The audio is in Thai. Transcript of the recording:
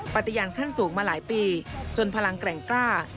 ปฏิญาณขั้นสูงมาหลายปีจนพลังแกร่งกล้า